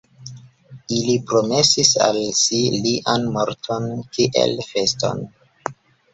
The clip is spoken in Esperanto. Ili promesis al si lian morton, kiel feston.